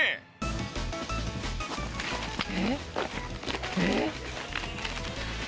「えっ？えっ？」